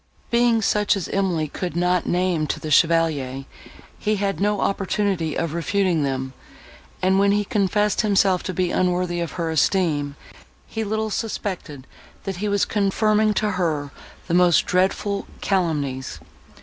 Being such as Emily could not name to the Chevalier, he had no opportunity of refuting them; and, when he confessed himself to be unworthy of her esteem, he little suspected, that he was confirming to her the most dreadful calumnies.